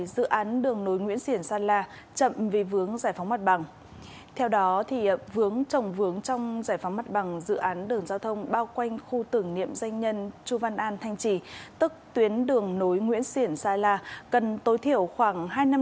dự án đường nối nguyễn xỉn gia la có tên đầy đủ là dự án đường giao thông